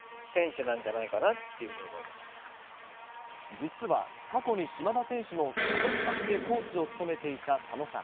実は過去に島田選手の所属先でコーチを務めていた佐野さん。